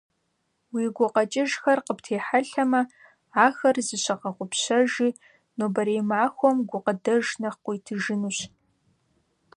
Уи гукъэкӀыжхэр къыптехьэлъэмэ, ахэр зыщыгъэгъупщэжи, нобэрей махуэм гукъыдэж нэхъ къуитыжынущ!